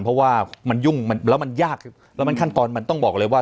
เพราะว่ามันยุ่งแล้วมันยากแล้วมันขั้นตอนมันต้องบอกเลยว่า